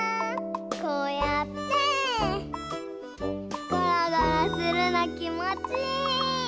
こうやってゴロゴロするのきもちいい！